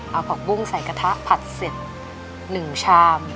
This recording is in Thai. เอาผักบุ้งใส่กระทะผัดเสร็จ๑ชาม